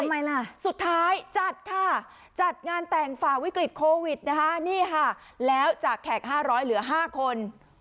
ทำไมล่ะสุดท้ายจัดค่ะจัดงานแต่งฝ่าวิกฤตโควิดนะคะนี่ค่ะแล้วจากแขก๕๐๐เหลือ๕คน